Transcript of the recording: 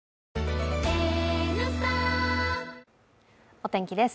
お天気です。